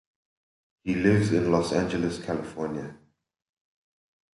He lives in Los Angeles, California.